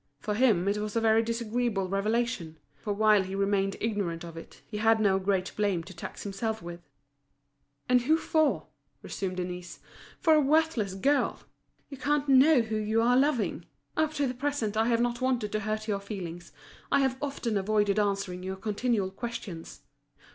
For him it was a very disagreeable revelation; for while he remained ignorant of it, he had no great blame to tax himself with. "And who for?" resumed Denise. "For a worthless girl! You can't know who you are loving! Up to the present I have not wanted to hurt your feelings, I have often avoided answering your continual questions.